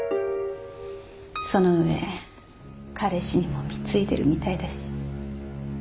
その上彼氏にも貢いでるみたいだし。